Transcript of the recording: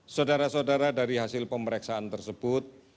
saudara saudara dari hasil pemeriksaan tersebut